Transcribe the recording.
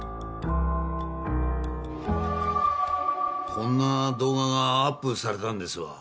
こんな動画がアップされたんですわ。